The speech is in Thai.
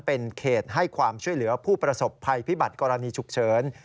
เป็นเขตให้ความช่วยเหลือผู้ประสบภัยพิบัติกรณีฉุกเฉิน